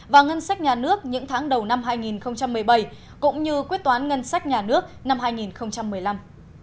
và ngân sách nhà nước những tháng đầu năm hai nghìn một mươi bảy cũng như quyết toán ngân sách nhà nước năm hai nghìn một mươi năm